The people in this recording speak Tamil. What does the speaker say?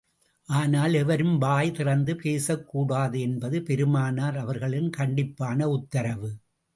ஆனால், எவரும் வாய் திறந்து பேசக் கூடாது என்பது பெருமானார் அவர்களின் கண்டிப்பான உத்தரவு.